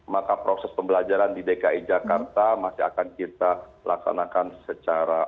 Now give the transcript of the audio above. maka proses pembelajaran di dki jakarta masih akan kita laksanakan secara